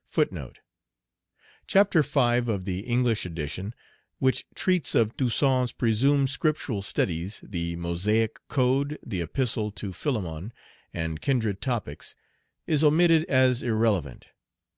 * Chapter V. of the English edition, which treats of "Toussaint's presumed Scriptural studies," the Mosaic code, the Epistle to Philemon, and kindred topics, is omitted as irrelevant.